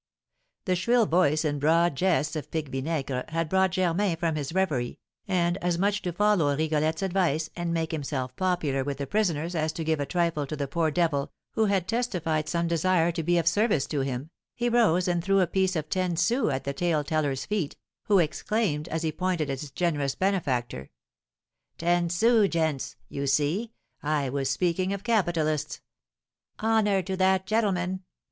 The shrill voice and broad jests of Pique Vinaigre had brought Germain from his reverie, and, as much to follow Rigolette's advice and make himself popular with the prisoners as to give a trifle to the poor devil who had testified some desire to be of service to him, he rose and threw a piece of ten sous at the tale teller's feet, who exclaimed, as he pointed at his generous benefactor: "Ten sous, gents! You see, I was speaking of capitalists! Honour to that gentleman!